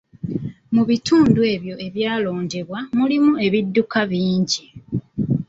Mu bitundu ebyo ebyalondebwa mulimu ebidduka bingi.